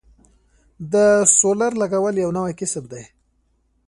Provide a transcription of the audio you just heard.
د سولر لګول یو نوی کسب دی